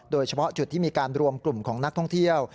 โดยเฉพาะจุดที่มีการรวมกลุ่มของนักท่องเที่ยว